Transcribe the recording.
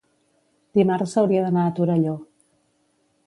dimarts hauria d'anar a Torelló.